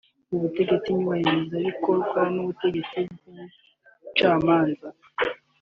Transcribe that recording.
Ubutegetsi Nyubahirizategeko n’Ubutegetsi bw’Ubucamanza